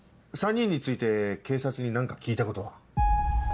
３人について警察に何か聞いたことは？